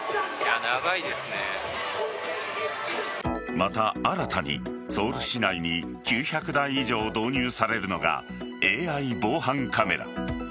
また、新たにソウル市内に９００台以上導入されるのがＡＩ防犯カメラ。